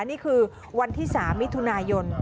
นี่คือวันที่๓มิถุนายน